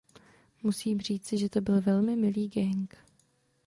Musím říci, že to byl velmi milý gang.